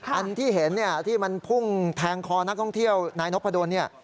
อันที่เห็นที่มันพุ่งแทงคอนักท่องเที่ยวนายนกพะโดนนี่